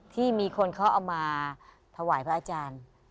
ที่มีคนเขาเอามาถวายพระอาจารย์